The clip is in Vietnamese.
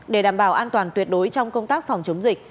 để đảm bảo an toàn tuyệt đối trong công tác phòng chống dịch